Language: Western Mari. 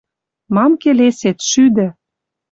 Мам келесет, шӱдӹ!»